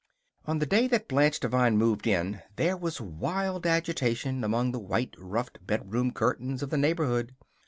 On the day that Blanche Devine moved in there was wild agitation among the white ruffed bedroom curtains of the neighborhood.